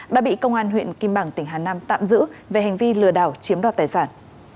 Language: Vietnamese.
đã bị công an huyện kim bảng tỉnh hà nam tạm giữ về hành vi lừa đảo chiếm đoạt tài sản